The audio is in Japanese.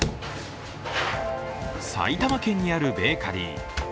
埼玉県にあるベーカリー。